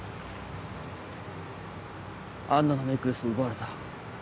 アンナのネックレスを奪われた。